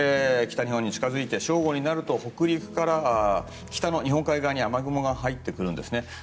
北日本に近づいて正午になると北陸から北の日本海側に雨雲が入ってくるんですね。